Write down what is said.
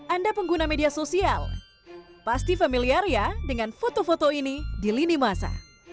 anda pengguna media sosial pasti familiar ya dengan foto foto ini di lini masa